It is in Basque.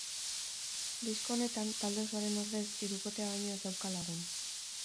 Disko honetan, talde osoaren ordez, hirukotea baino ez dauka lagun.